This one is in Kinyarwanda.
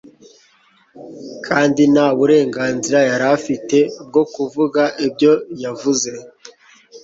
kandi nta burenganzira yari afite bwo kuvuga ibyo yavuze